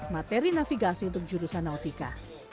materi navigasi untuk jurusan nautika